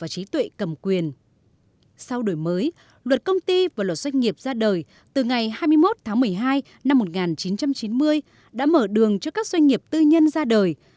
sau đổi mới luật công ty và luật doanh nghiệp ra đời từ ngày hai mươi một tháng một mươi hai năm một nghìn chín trăm chín mươi đã mở đường cho các doanh nghiệp tư nhân ra đời